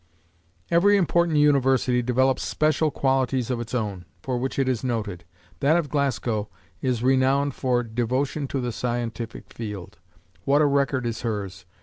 Every important university develops special qualities of its own, for which it is noted. That of Glasgow is renowned for devotion to the scientific field. What a record is hers!